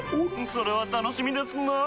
それは楽しみですなぁ。